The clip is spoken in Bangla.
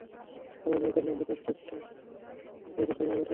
মঙ্গলবার রাতে লাভলু কৌশলে একটি কাজ দিয়ে সাইফুলকে বাইরে পাঠিয়ে দেন।